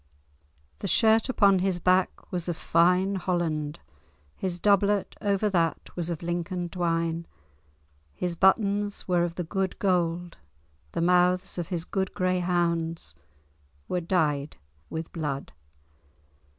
The shirt upon his back was of fine Holland, his doubtlet, over that, was of Lincoln twine, his buttons were of the good gold, the mouths of his good grey hounds were dyed with blood."